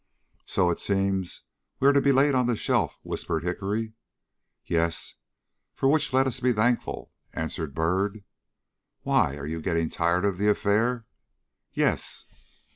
"So it seems we are to be laid on the shelf," whispered Hickory. "Yes, for which let us be thankful," answered Byrd. "Why? Are you getting tired of the affair?" "Yes."